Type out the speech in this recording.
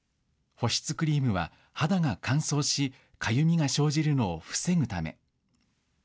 保湿クリームは肌が乾燥しかゆみが生じるのを防ぐため。